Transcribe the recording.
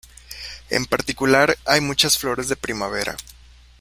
En particular, hay muchas flores de primavera.